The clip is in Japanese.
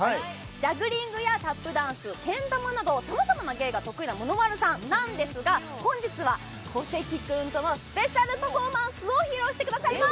ジャグリングやタップダンス、けん玉などさまざまな芸が得意なものまるさんですが本日は小関君とのスペシャルパフォーマンスを披露してくださいます。